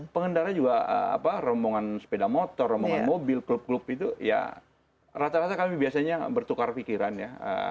pengendara juga rombongan sepeda motor rombongan mobil klub klub itu ya rata rata kami biasanya bertukar pikiran ya